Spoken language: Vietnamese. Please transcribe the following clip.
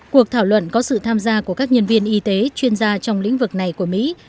cuộc thảo luận có sự tham gia của các nhân viên y tế chuyên gia trong lĩnh vực này của mỹ